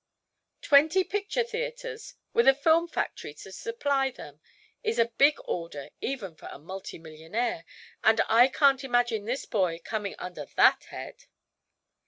"Twenty picture theatres, with a film factory to supply them, is a big order even for a multi millionaire and I can't imagine this boy coming under that head."